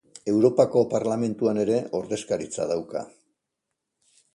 Europako Parlamentuan ere ordezkaritza dauka.